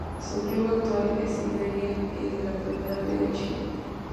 Su club actual es Iberia de la Primera B de Chile.